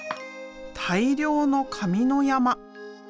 大量の紙の山。